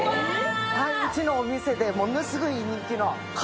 うちのお店でものすごい人気の。